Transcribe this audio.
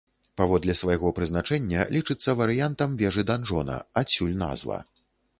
Паводле свайго прызначэння лічыцца варыянтам вежы-данжона, адсюль назва.